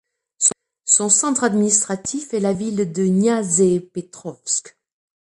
Son centre administratif est la ville de Niazepetrovsk.